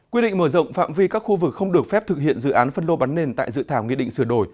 quy định mở rộng phạm vi các khu vực không được phép thực hiện dự án phân lô bán nền tại dự thảo nghị định sửa đổi